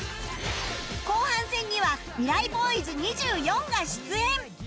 後半戦にはミライ Ｂｏｙｓ２４ が出演